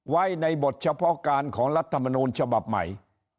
ไว้ในบทเฉพาะการของรัฐมนูลฉบับใหม่